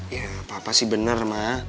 ya papa sih bener ma